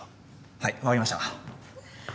はい分かりました。